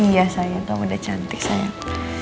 iya sayang kamu udah cantik sayang